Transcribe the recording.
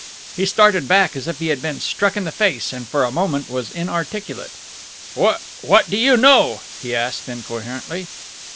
He started back as if he had been struck in the face, and for a moment was inarticulate. "What what do you know?" he asked incoherently.